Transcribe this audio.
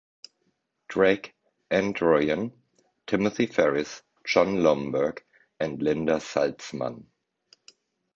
Drake, Ann Druyan, Timothy Ferris, Jon Lomberg, and Linda Salzman.